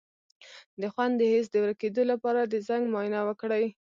د خوند د حس د ورکیدو لپاره د زنک معاینه وکړئ